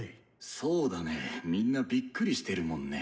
そうだねみんなビックリしてるもんね。